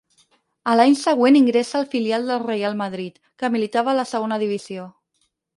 A l'any següent ingressa al filial del Reial Madrid, que militava a la Segona Divisió.